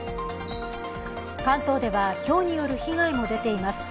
関東ではひょうによる被害も出ています。